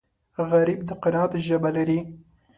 غریب د قناعت ژبه لري